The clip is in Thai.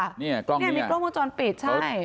นี่มีเครื่องมงจรปิดใช่